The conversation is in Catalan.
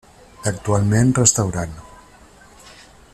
Actualment restaurant.